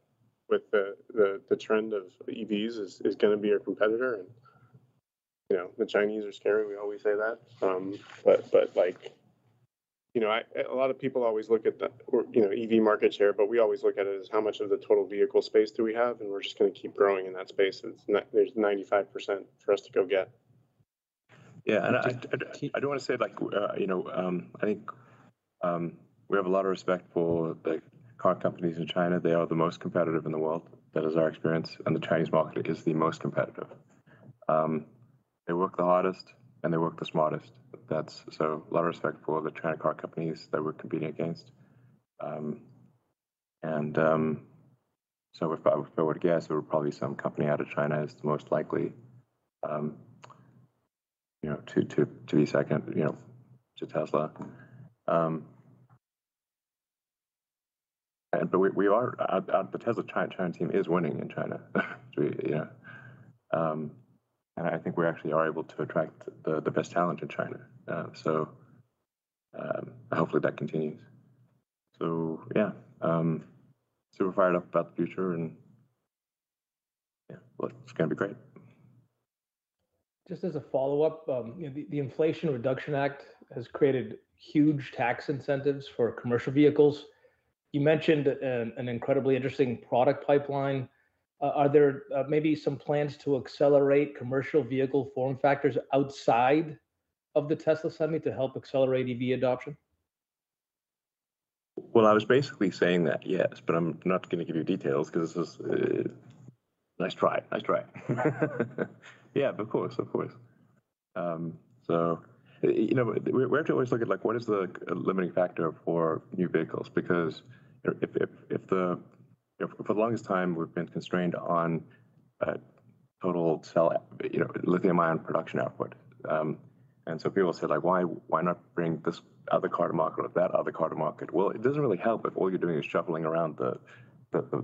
with the trend of EVs is gonna be our competitor and, you know, the Chinese are scary. We always say that. Like, you know, a lot of people always look at the, you know, EV market share, but we always look at it as how much of the total vehicle space do we have, and we're just gonna keep growing in that space. There's 95% for us to go get. Yeah. I, I do wanna say like, you know, I think we have a lot of respect for the car companies in China. They are the most competitive in the world. That is our experience, and the Chinese market is the most competitive. They work the hardest, and they work the smartest. A lot of respect for the China car companies that we're competing against. If I, if I were to guess, there were probably some company out of China is the most likely, you know, to be second, you know, to Tesla. We, the Tesla China team is winning in China. Yeah. I think we actually are able to attract the best talent in China. Hopefully that continues. Yeah, super fired up about the future, yeah, well, it's gonna be great. Just as a follow-up, you know, the Inflation Reduction Act has created huge tax incentives for commercial vehicles. You mentioned an incredibly interesting product pipeline. Are there maybe some plans to accelerate commercial vehicle form factors outside of the Tesla Semi to help accelerate EV adoption? Well, I was basically saying that, yes, but I'm not gonna give you details 'cause this is. Nice try. Nice try. Yeah, of course. Of course. You know, we have to always look at, like, what is the limiting factor for new vehicles because if the You know, for the longest time, we've been constrained on total cell, you know, lithium-ion production output. People said, like, "Why not bring this other car to market or that other car to market?" Well, it doesn't really help if all you're doing is shuffling around the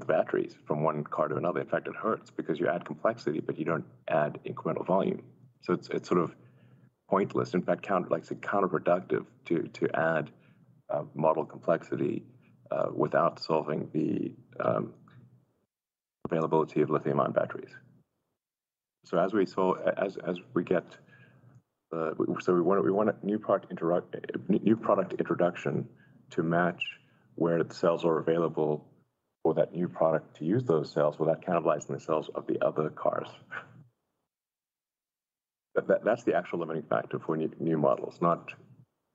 batteries from one car to another. In fact, it hurts because you add complexity, but you don't add incremental volume. It's sort of pointless, in fact, counter, like I said, counterproductive to add model complexity without solving the availability of lithium-ion batteries. As we get the, we want a new product introduction to match where the cells are available for that new product to use those cells without cannibalizing the cells of the other cars. That's the actual limiting factor if we need new models, not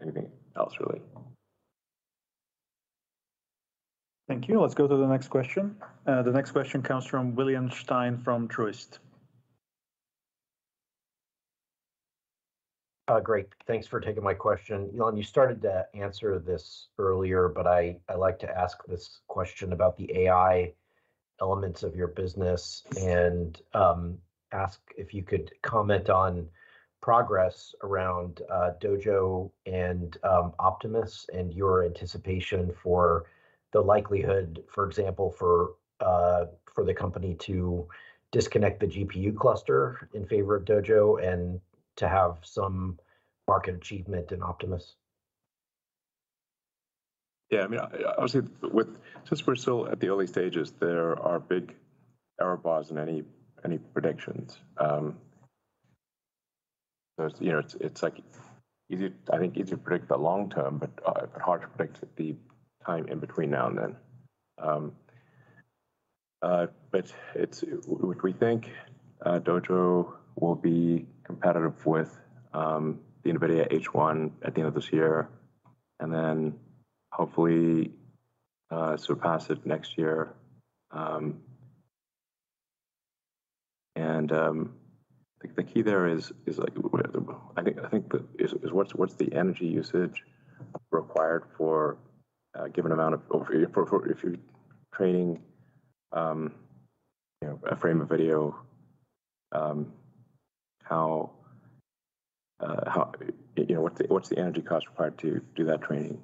anything else really. Thank you. Let's go to the next question. The next question comes from William Stein from Truist. Great. Thanks for taking my question. Elon, you started to answer this earlier, but I like to ask this question about the AI elements of your business and ask if you could comment on progress around Dojo and Optimus and your anticipation for the likelihood, for example, for the company to disconnect the GPU cluster in favor of Dojo and to have some market achievement in Optimus. Yeah, I mean, obviously since we're still at the early stages, there are big error bars in any predictions. There's, you know, it's like easy I think easy to predict the long term, hard to predict the time in between now and then. We think Dojo will be competitive with the NVIDIA H100 at the end of this year, then hopefully surpass it next year. The key there is like we have to I think the is what's the energy usage required for a given amount of for if you're training, you know, a frame of video, how, you know, what's the energy cost required to do that training?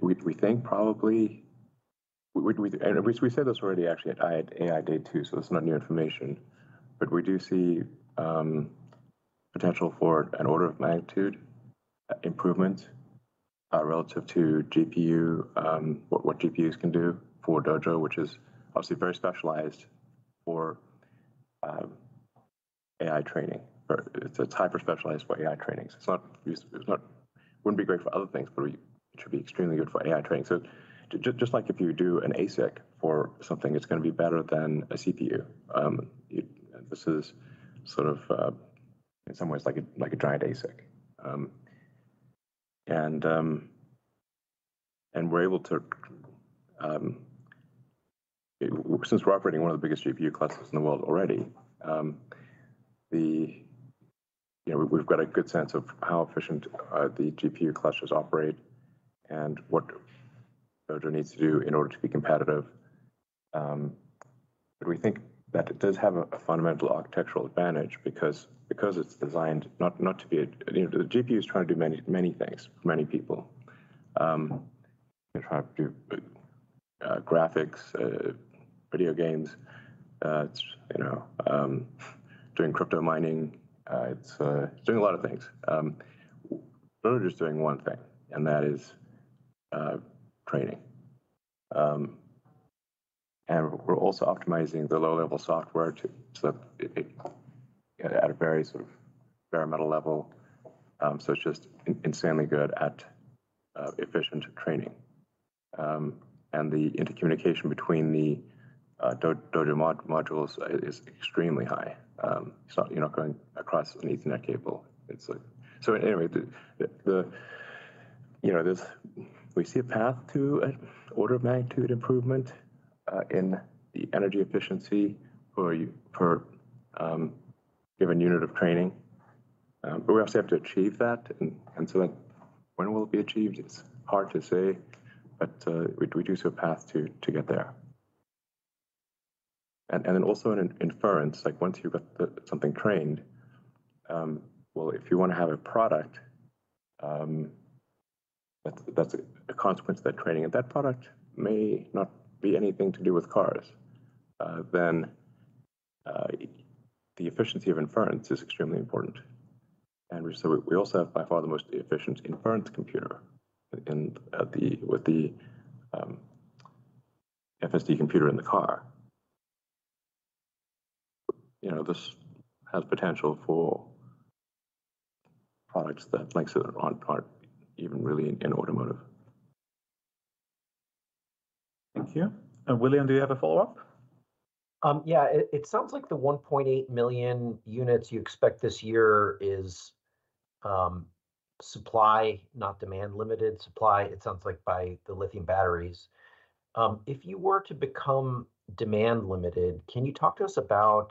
We think probably, we, and we said this already actually at AI Day too, so it's not new information. We do see potential for an order of magnitude improvement relative to GPU, what GPUs can do for Dojo, which is obviously very specialized for AI training, or it's hyper-specialized for AI training. It wouldn't be great for other things, but it should be extremely good for AI training. Just like if you do an ASIC for something, it's gonna be better than a CPU. This is sort of in some ways like a, like a giant ASIC. We're able to... Since we're operating one of the biggest GPU clusters in the world already, you know, we've got a good sense of how efficient the GPU clusters operate and what Dojo needs to do in order to be competitive. We think that it does have a fundamental architectural advantage. You know, the GPU is trying to do many, many things for many people. They're trying to do graphics, video games. It's, you know, doing crypto mining. It's doing a lot of things. Dojo's doing one thing, and that is training. We're also optimizing the low-level software so that it at a very sort of bare-metal level, so it's just insanely good at efficient training. The intercommunication between the Dojo modules is extremely high. It's not, you're not going across an Ethernet cable. You know, we see a path to an order of magnitude improvement in the energy efficiency per given unit of training. We also have to achieve that. Like, when will it be achieved? It's hard to say. We do see a path to get there. Also in an inference, like once you've got something trained, well, if you wanna have a product that's a consequence of that training, and that product may not be anything to do with cars, the efficiency of inference is extremely important. So we also have by far the most efficient inference computer with the FSD Computer in the car. You know, this has potential for products that makes it on par even really in automotive. Thank you. William, do you have a follow-up? Yeah. It sounds like the 1.8 million units you expect this year is supply, not demand limited. Supply, it sounds like by the lithium batteries. If you were to become demand limited, can you talk to us about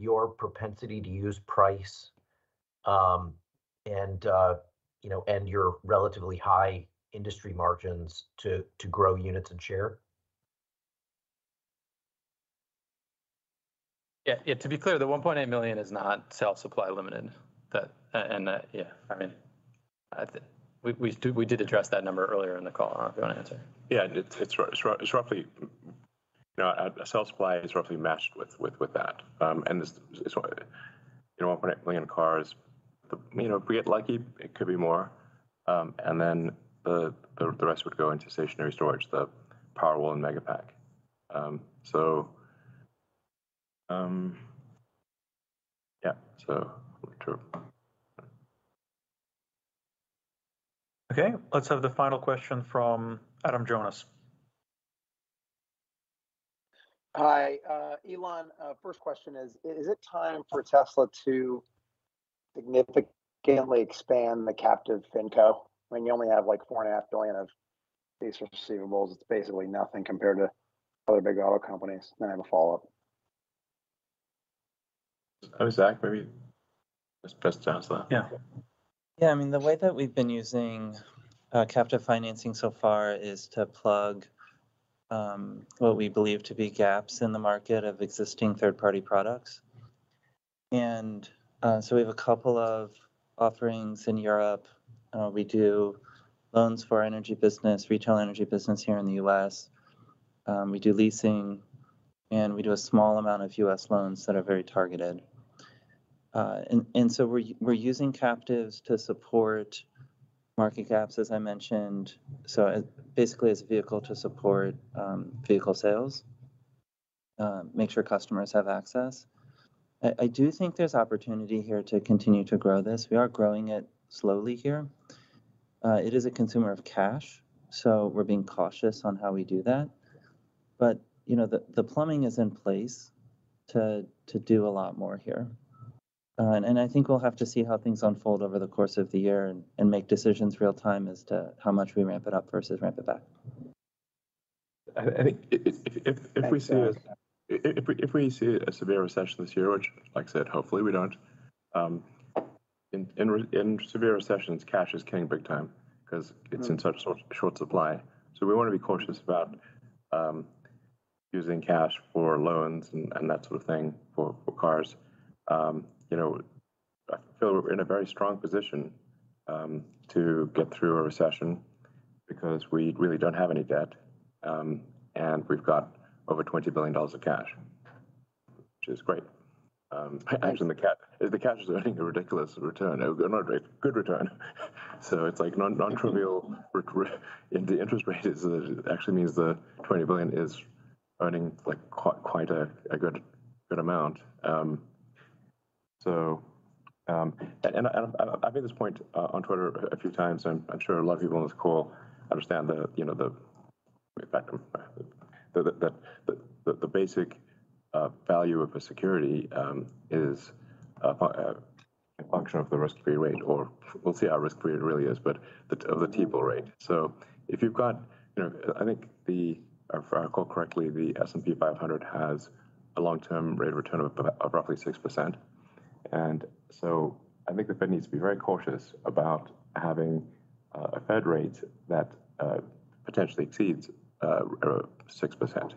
your propensity to use price, you know, and your relatively high industry margins to grow units and share? Yeah. Yeah, to be clear, the 1.8 million is not cell supply limited. Yeah, I mean, we did address that number earlier in the call, huh? Do you wanna answer? Yeah. It's roughly, you know, a cell supply is roughly matched with that. This is why, you know, 1.8 million cars, you know, if we get lucky, it could be more. The rest would go into stationary storage, the Powerwall and Megapack. Yeah. True. Okay. Let's have the final question from Adam Jonas. Hi. Elon, first question is it time for Tesla to significantly expand the captive finco when you only have, like, four and a half billion of these receivables? It's basically nothing compared to other big auto companies. I have a follow-up. Oh, Zach, maybe just press to answer that. Yeah. I mean, the way that we've been using captive financing so far is to plug what we believe to be gaps in the market of existing third-party products. So we have a couple of offerings in Europe. We do loans for our energy business, retail energy business here in the U.S. We do leasing, and we do a small amount of U.S. loans that are very targeted. So we're using captives to support market gaps, as I mentioned. So basically as a vehicle to support vehicle sales, make sure customers have access. I do think there's opportunity here to continue to grow this. We are growing it slowly here. It is a consumer of cash, so we're being cautious on how we do that. You know, the plumbing is in place to do a lot more here. And I think we'll have to see how things unfold over the course of the year and make decisions real time as to how much we ramp it up versus ramp it back. I think if we see a severe recession this year, which like I said, hopefully we don't, in severe recessions, cash is king big time 'cause it's in such short supply. We wanna be cautious about using cash for loans and that sort of thing for cars. You know, I feel we're in a very strong position to get through a recession because we really don't have any debt, and we've got over $20 billion of cash, which is great. Actually, the cash is earning a ridiculous return. Not ridiculous, good return. It's like non-nontrivial and the interest rate actually means the $20 billion is earning, like, quite a good amount. I've made this point on Twitter a few times, and I'm sure a lot of people on this call understand the, you know, the way back, the basic value of a security is a function of the risk-free rate, or we'll see how risk-free it really is, but of the T-bill rate. If you've got, you know, I think, if I recall correctly, the S&P 500 has a long-term rate of return of roughly 6%. I think the Fed needs to be very cautious about having a Fed rate that potentially exceeds 6%.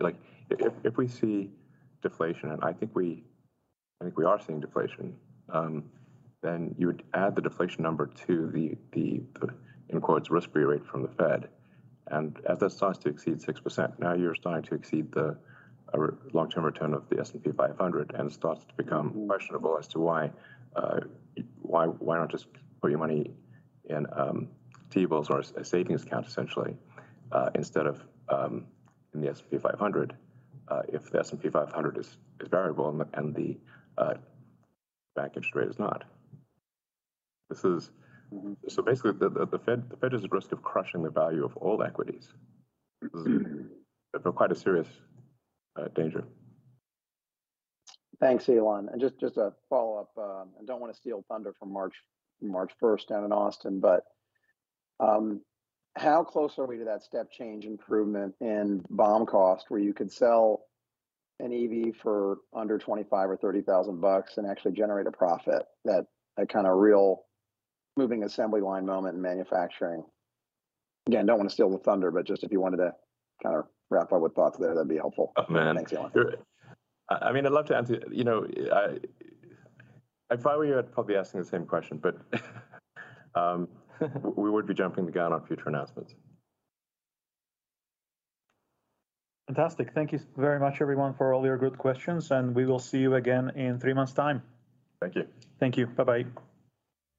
Like, if we see deflation, I think we are seeing deflation, you would add the deflation number to the, in quotes, "risk-free rate" from the Fed. As that starts to exceed 6%, now you're starting to exceed the long-term return of the S&P 500, it starts to become questionable as to why not just put your money in T-bills or a savings account essentially, instead of in the S&P 500, if the S&P 500 is variable and the bank interest rate is not. This. Mm-hmm. Basically the Fed is at risk of crushing the value of all equities. They're quite a serious danger. Thanks, Elon. Just a follow-up. I don't wanna steal thunder from March 1st down in Austin, but how close are we to that step change improvement in BOM cost where you could sell an EV for under $25,000 or $30,000 bucks and actually generate a profit? That kinda real moving assembly line moment in manufacturing. Again, don't wanna steal the thunder. Just if you wanted to kinda wrap up with thoughts there, that'd be helpful. Oh, man. Thanks, Elon. I mean, I'd love to answer. You know, I, if I were you, I'd probably be asking the same question. We would be jumping the gun on future announcements. Fantastic. Thank you very much everyone for all your good questions. We will see you again in three months' time. Thank you. Thank you. Bye-bye.